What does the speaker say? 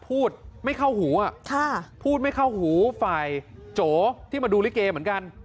พูดไม่เข้าหูพูดไม่เข้าหูฝ่ายโจที่มาดูลิเกเหมือนกัน